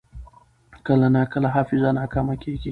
کله ناکله حافظه ناکامه کېږي.